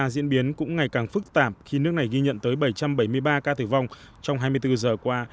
diễn biến cũng ngày càng phức tạp khi nước này ghi nhận tới bảy trăm bảy mươi ba ca tử vong trong hai mươi bốn giờ qua